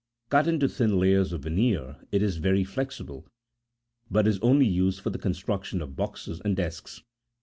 Cut into thin layers of veneer, it is very flexible, but is only used for the construction of boxes and desks.